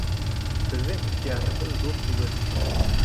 Беҙҙең ихтыяжыбыҙ ҙур түгел